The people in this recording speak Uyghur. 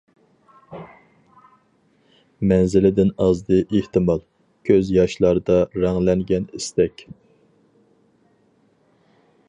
مەنزىلىدىن ئازدى ئېھتىمال، كۆز ياشلاردا رەڭلەنگەن ئىستەك.